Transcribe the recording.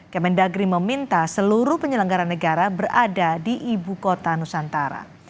kemendagri meminta seluruh penyelenggara negara berada di ibu kota nusantara